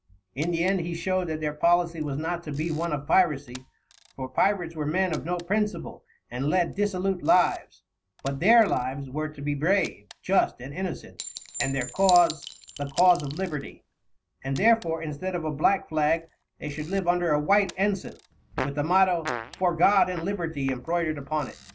In the end he showed that their policy was not to be one of piracy, for pirates were men of no principle and led dissolute lives; but their lives were to be brave, just, and innocent, and their cause the cause of Liberty; and therefore, instead of a black flag, they should live under a white ensign, with the motto "For God and Liberty" embroidered upon it.